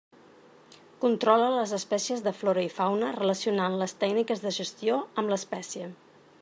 Controla les espècies de flora i fauna, relacionant les tècniques de gestió amb l'espècie.